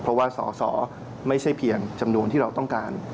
เพราะว่าสอสอไม่ใช่เพียงจำนวนที่เราต้องการ